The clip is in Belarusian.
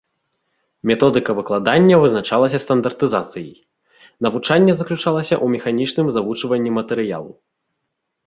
Методыка выкладання вызначалася стандартызацыяй, навучанне заключалася ў механічным завучванні матэрыялу.